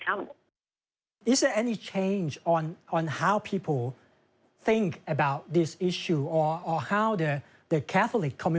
การสมัครเป็นปัญหาในประเภทกัฒลิคที่ใช้ประชาชน